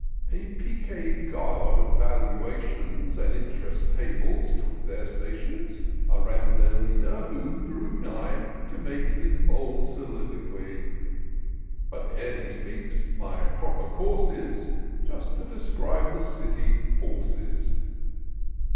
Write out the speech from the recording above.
A picquet guard of Valuations And Int'rest Tables took their stations Around their leader, who drew nigh. To make his bold soliloquy ; But ere he speaks, my proper course is Just to describe the City Forces.